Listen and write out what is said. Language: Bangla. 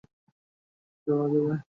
তাকে পাওয়া যাবে।